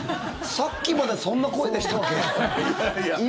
さっきまでそんな声でしたっけ？